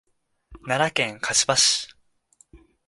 奈良県香芝市